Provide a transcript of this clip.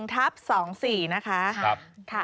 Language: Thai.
ทับ๒๔นะคะ